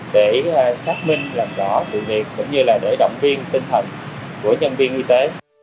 để xác minh làm rõ sự việc cũng như là để động viên tinh thần của nhân viên y tế